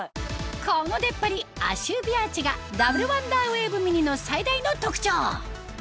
この出っ張り足指アーチがダブルワンダーウェーブミニの最大の特徴